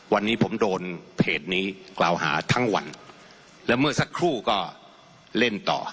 วันนี้ผมโดนเพจนี้กล่าวหาทั้งวันและเมื่อสักครู่ก็เล่นต่อ